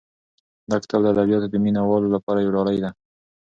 دا کتاب د ادبیاتو د مینه والو لپاره یو ډالۍ ده.